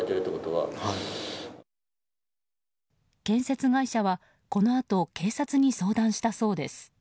建設会社は、このあと警察に相談したそうです。